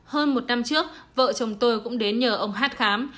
hơn một năm trước vợ chồng tôi cũng đến nhờ ông hát khám